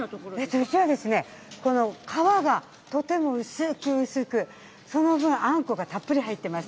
うちは、この皮がとても薄く薄く、その分、あんこがたっぷり入っています。